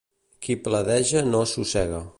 Qui pledeja no assossega.